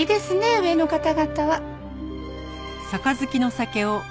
上の方々は。